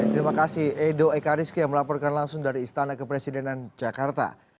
terima kasih edo ekariski yang melaporkan langsung dari istana kepresidenan jakarta